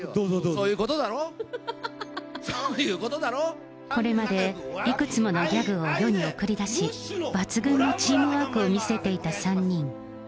そういうこれまで、いくつものギャグを世に送り出し、抜群のチームワークを見せていた３人。